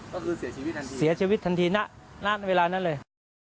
ก็คือเสียชีวิตทันทีเสียชีวิตทันทีณเวลานั้นเลย